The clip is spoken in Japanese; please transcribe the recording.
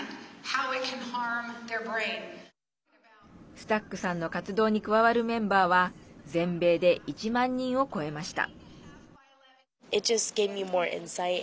スタックさんの活動に加わるメンバーは全米で１万人を超えました。